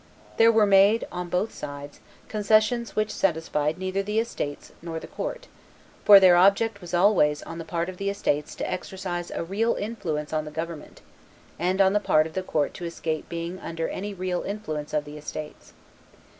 There were made, on both sides, concessions which satisfied neither the estates nor the court, for their object was always on the part of the estates to exercise a real influence on the government, and on the part of the court to escape being under any real influence of the estates.